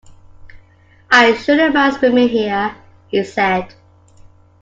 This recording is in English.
“I shouldn’t mind swimming here,” he said.